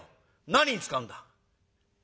何に使うんだ？」。